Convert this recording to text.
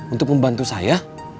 untuk membantu saya